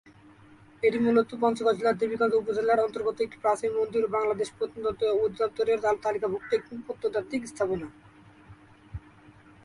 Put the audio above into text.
এটি মূলত পঞ্চগড় জেলার দেবীগঞ্জ উপজেলার অন্তর্গত একটি প্রাচীন মন্দির ও বাংলাদেশ প্রত্নতত্ত্ব অধিদপ্তর এর তালিকাভুক্ত একটি প্রত্নতাত্ত্বিক স্থাপনা।